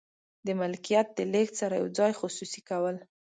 د ملکیت د لیږد سره یو ځای خصوصي کول.